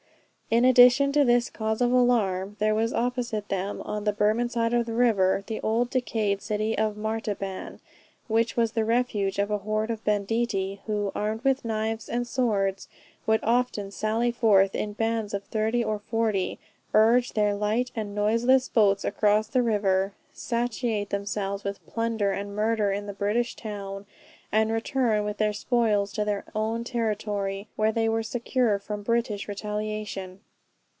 In addition to this cause of alarm, there was opposite them, on the Burman side of the river, the old decayed city of Martaban; which was the refuge of a horde of banditti, who, armed with knives and swords, would often sally forth in bands of 30 or 40, urge their light and noiseless boats across the river, satiate themselves with plunder and murder in the British town, and return with their spoils to their own territory, where they were secure from British retaliation.